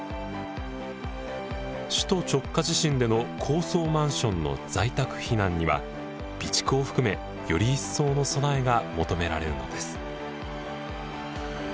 首都直下地震での高層マンションの在宅避難には備蓄を含めより一層の備えが求められるのです。